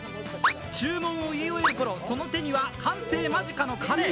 注文を言い終えるころその手には完成間近のカレー。